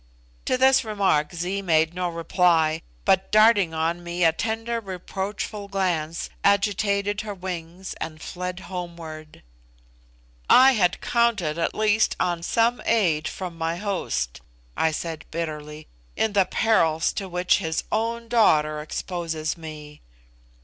To this remark Zee made no reply, but, darting on me a tender reproachful glance, agitated her wings and fled homeward. "I had counted, at least, on some aid from my host," I said bitterly, "in the perils to which his own daughter exposes me."